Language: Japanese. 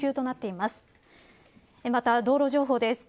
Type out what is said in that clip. また、道路情報です。